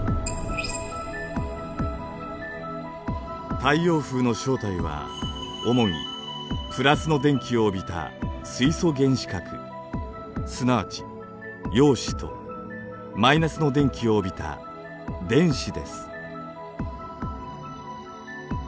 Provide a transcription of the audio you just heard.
太陽風の正体は主にプラスの電気を帯びた水素原子核すなわち陽子とマイナスの電気を帯びた電子です。